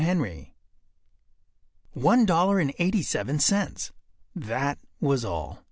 Henry One dollar and eighty seven cents. That was all.